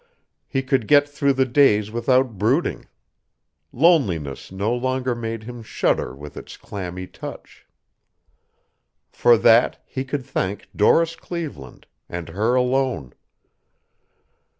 He could get through the days without brooding. Loneliness no longer made him shudder with its clammy touch. For that he could thank Doris Cleveland, and her alone.